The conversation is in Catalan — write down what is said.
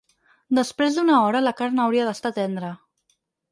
Després d’una hora, la carn hauria d’estar tendra.